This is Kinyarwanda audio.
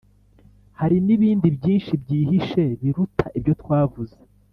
Hari n’ibindi byinshi byihishe biruta ibyo twavuze,